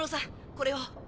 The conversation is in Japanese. これを。